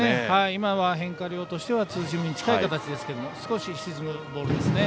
今のは、変化量としてはツーシームに近い形ですが少し沈むボールですね。